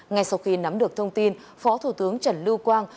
ngay sau khi nắm được thông tin phó thủ tướng trần lưu quang